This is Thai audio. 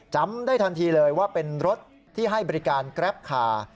จำได้ทันทีเลยว่าเป็นรถที่ให้บริการแกรปคาร์